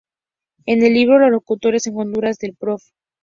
En el libro "Los locutores en Honduras" del "Prof.